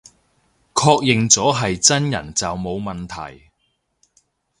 確認咗係真人就冇問題